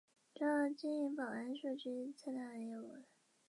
主要经营保安数据探测业务。